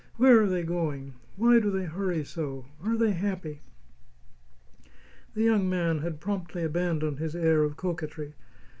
Where are they going? Why do they hurry so? Are they happy?" The young man had promptly abandoned his air of coquetry.